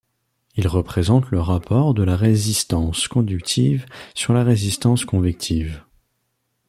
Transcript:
Il représente le rapport de la résistance conductive sur la résistance convective.